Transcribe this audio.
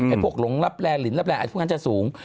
ไอ้พวกหลงลับแรงหลินลับแรงไอ้พวกนั้นจะสูง